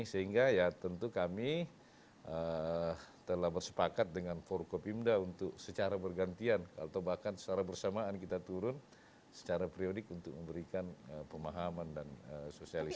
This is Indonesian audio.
sehingga ya tentu kami telah bersepakat dengan forkopimda untuk secara bergantian atau bahkan secara bersamaan kita turun secara periodik untuk memberikan pemahaman dan sosialisasi